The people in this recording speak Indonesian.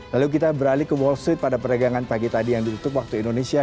lalu kita beralih ke wall street pada perdagangan pagi tadi yang ditutup waktu indonesia